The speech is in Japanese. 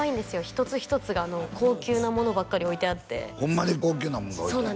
一つ一つが高級なものばっかり置いてあってホンマに高級なものが置いてあんの？